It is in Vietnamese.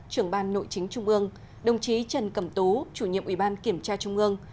trưởng ban nội chính trung ương đồng chí trần cẩm tú chủ nhiệm ủy ban kiểm tra trung ương